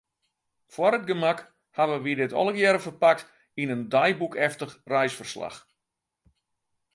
Foar it gemak hawwe wy dit allegearre ferpakt yn in deiboekeftich reisferslach.